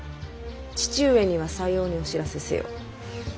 父上にはさようにお知らせせよ。